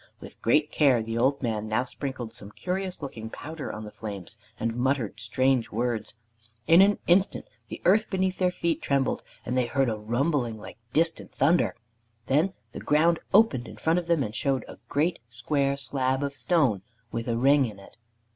With great care the old man now sprinkled some curious looking powder on the flames, and muttered strange words. In an instant the earth beneath their feet trembled, and they heard a rumbling like distant thunder. Then the ground opened in front of them, and showed a great square slab of stone with a ring in it.